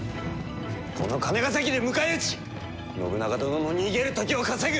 この金ヶ崎で迎え撃ち信長殿の逃げる時を稼ぐ！